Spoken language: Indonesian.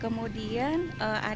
kemudian dia menggunakan penyelidikan